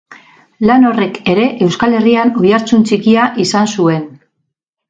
Lan horrek ere Euskal Herrian oihartzun txikia izan zuen.